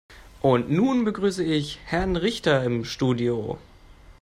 Und nun begrüße ich Herrn Richter im Studio.